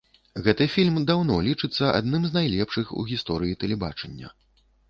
Гэты фільм даўно лічыцца адным з найлепшых у гісторыі тэлебачання.